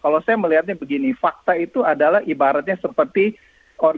kalau saya melihatnya begini fakta itu adalah ibaratnya seperti organisasi asean atau united nations